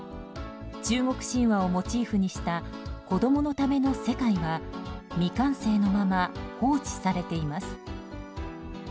中国神話をモチーフにした子供のための世界が未完成のまま放置されています。